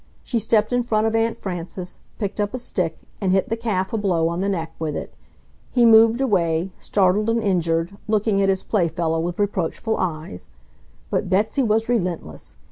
She stepped in front of Aunt Frances, picked up a stick, and hit the calf a blow on the neck with it. He moved away, startled and injured, looking at his playfellow with reproachful eyes. But Betsy was relentless.